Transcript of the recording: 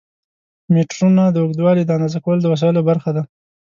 میټرونه د اوږدوالي د اندازه کولو د وسایلو برخه ده.